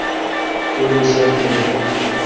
Wê bijartiye.